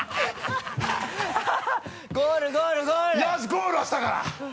ゴールはしたから！